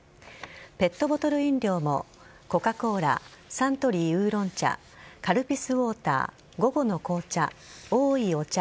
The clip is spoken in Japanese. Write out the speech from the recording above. ペットボトル飲料もコカ・コーラサントリー烏龍茶カルピスウォーター午後の紅茶おいお茶